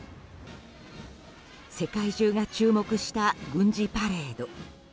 世界中が注目した軍事パレード。